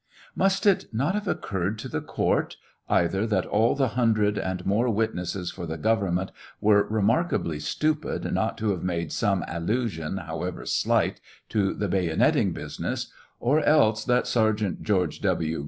Must it not have occurred to the court, either that all the hundred and more witnesses for the government were remarkably stupid not to have made some allusion, however slight, to the bayoneting business ; or else that Sergeant George W.